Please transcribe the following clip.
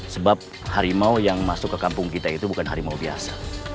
sebab harimau yang masuk ke kampung kita itu bukan harimau biasa